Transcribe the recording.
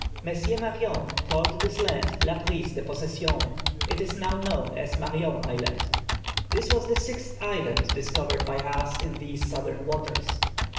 M. Marion called this island La Prise de Possession (it is now known as Marion Island). This was the sixth island discovered by us in these southern waters.